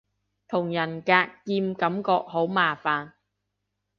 同人格劍感覺都好麻煩